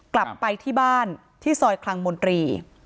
กลับไปที่บ้านที่ซอยคลังมนตรี